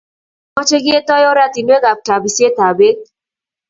Mache ketoy oratinwek ab kabiset ab peek